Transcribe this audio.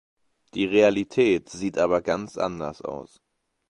Die Realität sieht aber ganz anders aus.